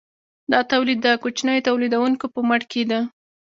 دا تولید د کوچنیو تولیدونکو په مټ کیده.